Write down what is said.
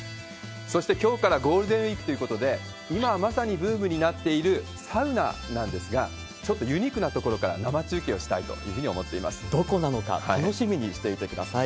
そして、きょうからゴールデンウィークということで、今、まさにブームになっているサウナなんですが、ちょっとユニークな所から生中継をしたいというふうに思っていまどこなのか、楽しみにしていてください。